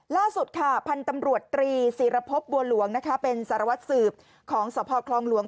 ล่าสุดค่ะพันธุ์ตำรวจตรีศิรพบบัวหลวงนะคะเป็นสารวัตรสืบของสพคลองหลวง